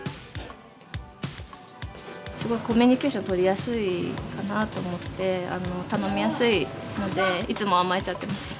すごいコミュニケーションとりやすいかなと思って頼みやすいのでいつも甘えちゃってます。